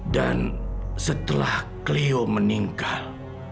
dan setelah clio meninggal